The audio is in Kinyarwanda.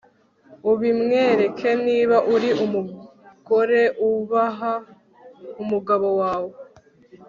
ubimwereke Niba uri umugore ubaha umugabo wawe